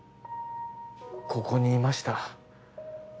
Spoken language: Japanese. ここにいました。